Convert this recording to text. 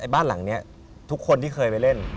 บ้านหลังนี้ทุกคนที่เคยไปเล่น